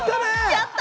やった！